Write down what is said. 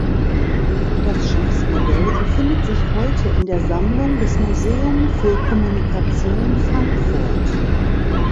Das Schiffsmodell befindet sich heute in der Sammlung des Museum für Kommunikation Frankfurt.